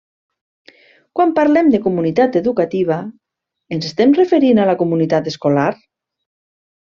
Quan parlem de comunitat educativa ens estem referint a la comunitat escolar?